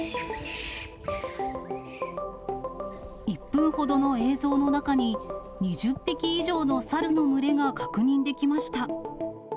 １分ほどの映像の中に、２０匹以上のサルの群れが確認できました。